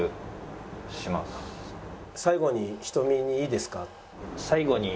「最後に瞳にいいですか？」。